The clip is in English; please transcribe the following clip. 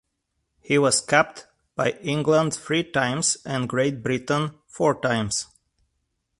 He was capped by England three times and Great Britain four times.